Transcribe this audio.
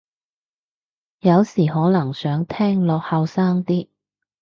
有時可能想聽落後生啲